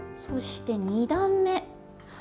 そして２段目。